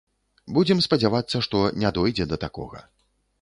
Будзем спадзявацца, што не дойдзе да такога.